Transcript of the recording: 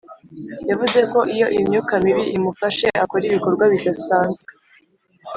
Yavuze ko iyo imyuka mibi imufashe akora ibikorwa bidasanzwe